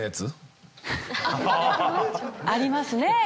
ありますね。